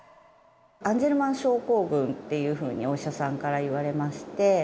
アンジェルマン症候群というふうにお医者さんから言われまして。